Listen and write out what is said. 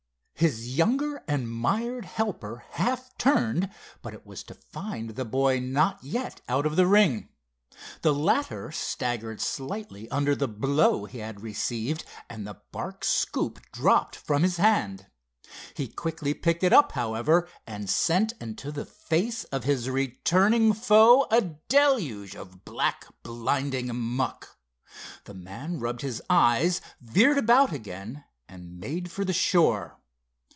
His younger and mired helper half turned, but it was to find the boy not yet out of the ring. The latter staggered slightly under the blow he had received, and the bark scoop dropped from his hand. He quickly picked it up, however, and sent into the face of his returning foe a deluge of black, blinding muck. The man rubbed his eyes, veered about again and made for the shore.